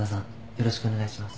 よろしくお願いします。